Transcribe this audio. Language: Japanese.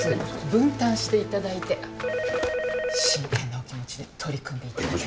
☎分担していただいて真剣なお気持ちで取り組んでいただけますね。